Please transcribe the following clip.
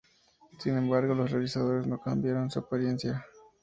Sin embargo, los realizadores no cambiaron su apariencia.